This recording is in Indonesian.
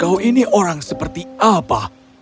kau ini orang seperti apa